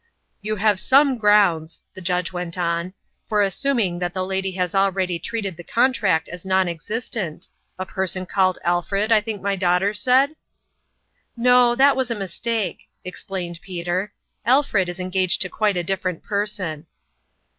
" You have some grounds," the judge went on, "for assuming that the lady has already treated the contract as non existent a person called Alfred, I think my daughter said ?"" No, that was a mistake," explained Peter. " Alfred is engaged to quite a different person."